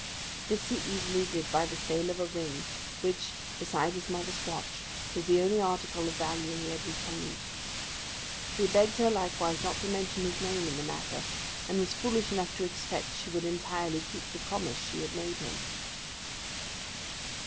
This he easily did by the sale of a ring, which, besides his mother's watch, was the only article of value he had retained. He begged her likewise not to mention his name in the matter; and was foolish enough to expect that she would entirely keep the promise she had made him.